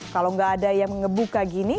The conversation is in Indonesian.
kalau nggak ada yang mengebuka gini